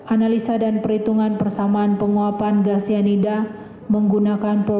analisa dan perhitungan persamaan penguapan gas cyanida menggunakan